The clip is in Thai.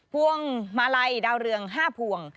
พวงมาลัยดาวเรือง๕พวง